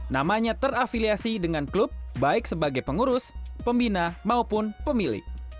namanya terafiliasi dengan klub baik sebagai pengurus pembina maupun pemilik